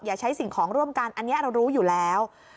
ใช้สิ่งของร่วมกันอันนี้เรารู้อยู่แล้ว